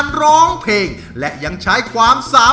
น้องไมโครโฟนจากทีมมังกรจิ๋วเจ้าพญา